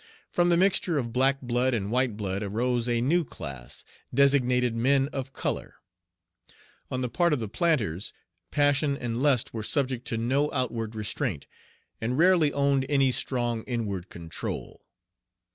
From the mixture of black blood and white blood arose a new class, designated men of color. On the part of the planters, passion and lust were subject to no outward restraint, and rarely owned any strong inward control.